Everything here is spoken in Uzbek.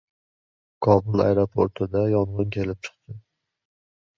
Kobul aeroportida yong‘in kelib chiqdi